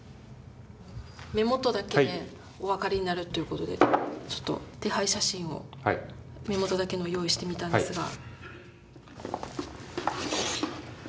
目元だけでお分かりになるっていう事でちょっと手配写真を目元だけの用意してみたんですが。